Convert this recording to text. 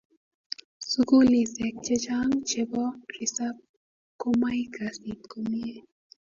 sukulisek che chang che bo resap komai kasit komie